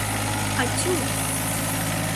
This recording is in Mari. Атьу!